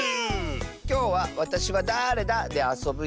きょうは「わたしはだれだ？」であそぶよ！